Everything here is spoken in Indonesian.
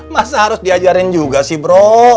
masa harus diajarin juga sih bro